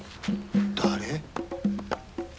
誰？